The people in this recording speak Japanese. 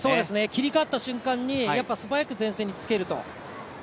切り替わった瞬間に素早くつけると。